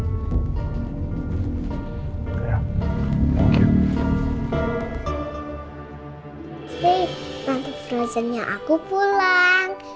hey tante frozennya aku pulang